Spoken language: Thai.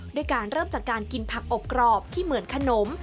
ด้วยการเริ่มจากการกินผักอบกรอบที่เหมือนขนม